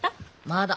まだ。